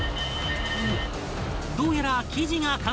［どうやら］